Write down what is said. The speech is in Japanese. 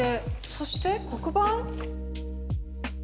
そして黒板？